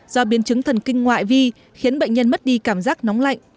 do biến chứng thần kinh ngoại vi khiến bệnh nhân mất đi cảm giác nóng lạnh